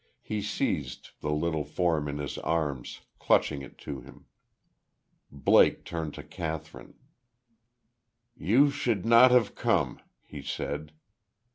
He seized the little form in his arms, clutching it to him. Blake turned to Kathryn. "You should not have come," he said.